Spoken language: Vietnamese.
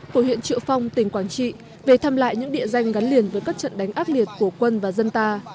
của huyện triệu phong tỉnh quảng trị về thăm lại những địa danh gắn liền với các trận đánh ác liệt của quân và dân ta